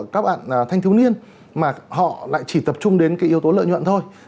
các bạn thanh thiếu niên mà họ lại chỉ tập trung đến cái yếu tố lợi nhuận thôi